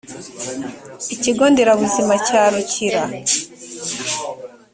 ikigo nderabuzima cya rukira